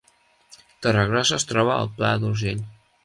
Torregrossa es troba al Pla d’Urgell